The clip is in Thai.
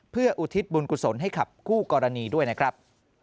เพื่ออุทิศบุญกุศลให้กับคู่กรณีด้วยนะครับ